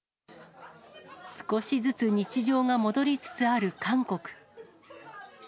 少しずつ日常が戻りつつある韓国。